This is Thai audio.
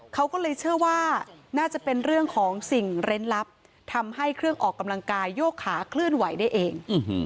เขาก็เลยเชื่อว่าน่าจะเป็นเรื่องของสิ่งเล่นลับทำให้เครื่องออกกำลังกายโยกขาเคลื่อนไหวได้เอง